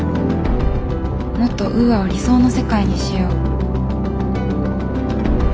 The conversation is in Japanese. もっとウーアを理想の世界にしよう。